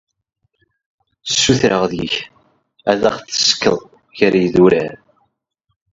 Sutureɣ deg-k ad aɣ-tessukeḍ gar yidurar.